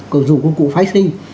cầu dụng của cụ phái sinh